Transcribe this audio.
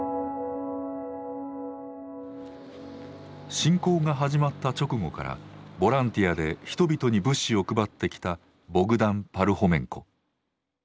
侵攻が始まった直後からボランティアで人々に物資を配ってきたボグダン・パルホメンコ。